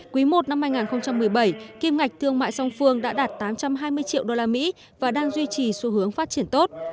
quý i năm hai nghìn một mươi bảy kim ngạch thương mại song phương đã đạt tám trăm hai mươi triệu usd và đang duy trì xu hướng phát triển tốt